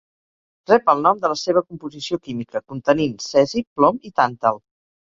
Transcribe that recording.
Rep el nom de la seva composició química, contenint cesi, plom i tàntal.